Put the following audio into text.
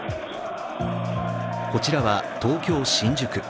こちらは東京・新宿。